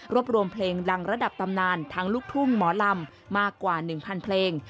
รวมเพลงดังระดับตำนานทั้งลูกทุ่งหมอลำมากกว่า๑๐๐เพลง